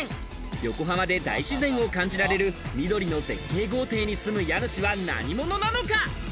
横浜で大自然を感じられる緑の絶景豪邸に住む家主は何者なのか？